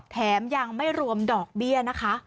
แถมยังไม่รวมดอกเบี้ยนะคะ